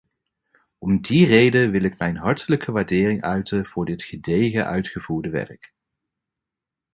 Om die reden wil ik mijn hartelijke waardering uiten voor dit gedegen uitgevoerde werk.